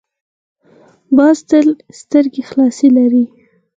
باز تل سترګې خلاصې لري